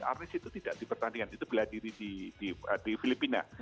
arnis itu tidak dipertandingan itu berhadiri di filipina